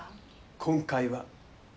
今回は。